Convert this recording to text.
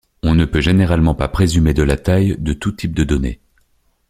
On ne peut généralement pas présumer de la taille de tous types de données.